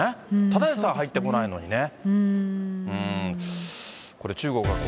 ただでさえ入ってこないのにね。